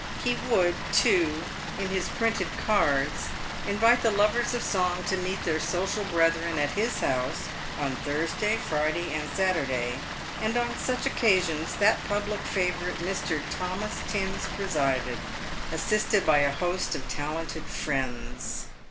He would, too, in his printed cards invite the lovers of song to meet their " social brethren" at his house, on Thursday, Friday, and Saturday, and on such occasions that public favourite Mr. Thomas Timms presided, assisted by a host of talented friends.